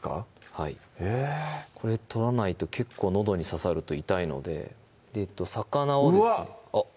はいこれ取らないと結構のどに刺さると痛いので魚をですねうわっ！